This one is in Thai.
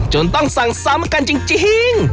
ต้องสั่งซ้ำกันจริง